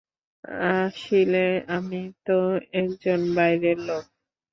আসিলে আমিতো একজন বাইরের লোক।